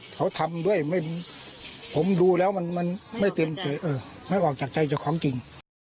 เขาทำด้วยผมดูแล้วมันไม่ออกจากใจจากความจริง